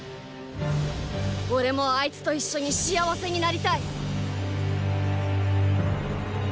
オレもあいつと一緒に幸せになりたい。